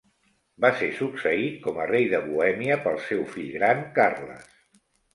Va ser succeït com a rei de Bohèmia pel seu fill gran Carles.